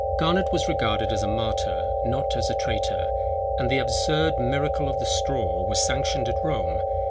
Garnet was regarded as a martyr, not as a traitor; and the absurd miracle of the Straw, was sanctioned at Rome.